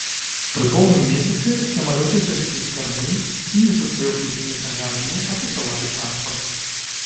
Пры поўным месяцы, самалёты зайшлі з кармы і, не сустрэўшы зенітнага агню, атакавалі транспарт.